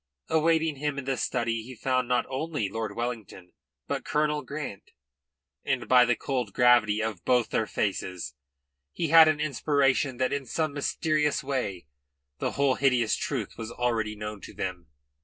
Awaiting him in the study he found not only Lord Wellington, but Colonel Grant, and by the cold gravity of both their faces he had an inspiration that in some mysterious way the whole hideous truth was already known to them.